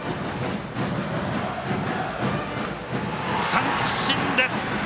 三振です！